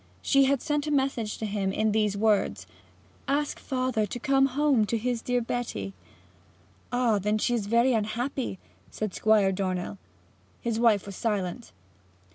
She had sent a message to him in these words: 'Ask father to come home to his dear Betty.' 'Ah! Then she is very unhappy!' said Squire Dornell. His wife was silent.